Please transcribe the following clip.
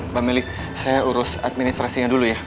mbak meli saya urus administrasinya dulu ya